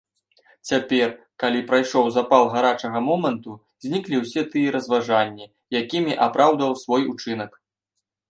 Цяпер, калі прайшоў запал гарачага моманту, зніклі ўсе тыя разважанні, якімі апраўдваў свой учынак.